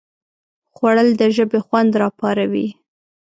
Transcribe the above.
خوړل د ژبې خوند راپاروي